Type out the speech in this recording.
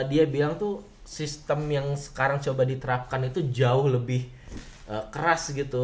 dia bilang tuh sistem yang sekarang coba diterapkan itu jauh lebih keras gitu